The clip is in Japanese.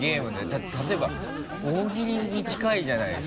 だって例えば大喜利に近いじゃないですか。